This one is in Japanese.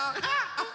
あっ！